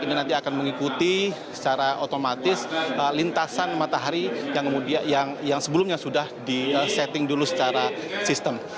ini nanti akan mengikuti secara otomatis lintasan matahari yang sebelumnya sudah di setting dulu secara sistem